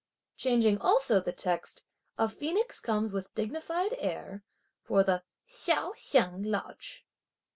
Changing also the text: "A phoenix comes with dignified air for the Hsiao Hsiang Lodge."